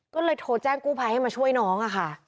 ก็เลยโทรแจ้งกู้ภัยให้มาช่วยน้องค่ะ